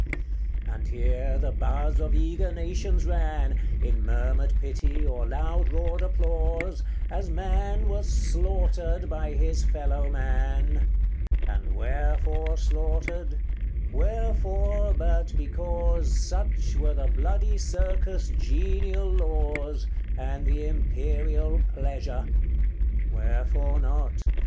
CXXXIX. And here the buzz of eager nations ran, In murmured pity, or loud roared applause, As man was slaughtered by his fellow man. And wherefore slaughtered? wherefore, but because Such were the bloody circus' genial laws, And the imperial pleasure. Wherefore not?